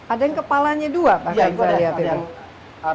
ada yang kepalanya dua